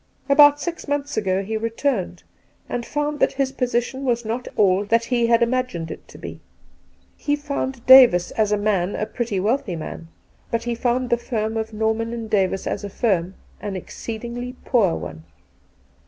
About six months ago he returnedj and found that his position was not all that he had imagined it to be. He found Davis as a man a pretty wealthy man, but he found the firm of Norman and Davis as a firm an exceedingly poor one.